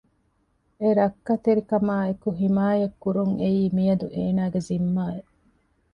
އެ ރައްކަތެރިކަމާއެކު ހިމާޔަތް ކުރުން އެއީ މިއަދު އޭނާގެ ޒިންމާއެއް